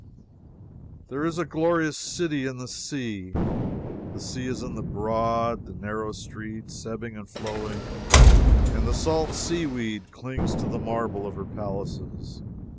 "There is a glorious city in the sea; The sea is in the broad, the narrow streets, Ebbing and flowing; and the salt sea weed Clings to the marble of her palaces.